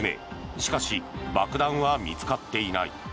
しかし爆弾は見つかっていない。